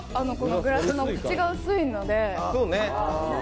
グラスの口が薄いので。